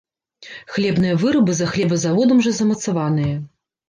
Хлебныя вырабы, за хлебазаводам жа замацаваныя.